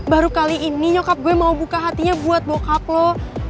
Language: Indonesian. baru kali ini nyokap gue mau buka hatinya buat bokap loh